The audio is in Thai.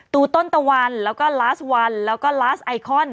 ต้นตะวันแล้วก็ลาสวันแล้วก็ลาสไอคอน